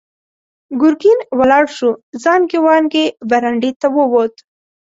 ګرګين ولاړ شو، زانګې وانګې برنډې ته ووت.